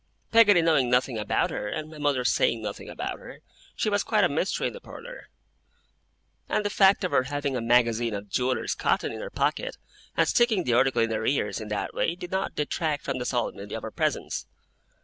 Peggotty knowing nothing about her, and my mother saying nothing about her, she was quite a mystery in the parlour; and the fact of her having a magazine of jewellers' cotton in her pocket, and sticking the article in her ears in that way, did not detract from the solemnity of her presence.